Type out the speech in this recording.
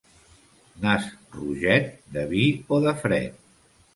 Nas roget, de vi o de fred.